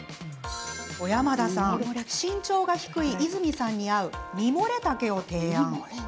小山田さん身長が低い和泉さんに合う「ミモレ丈」を提案。